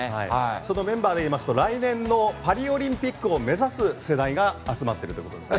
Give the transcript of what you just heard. そのメンバーでいいますと来年のパリオリンピックを目指す世代が集まってるってことですね